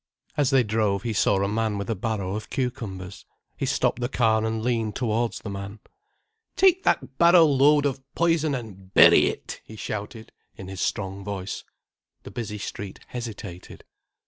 As they drove he saw a man with a barrow of cucumbers. He stopped the car and leaned towards the man. "Take that barrow load of poison and bury it!" he shouted, in his strong voice. The busy street hesitated.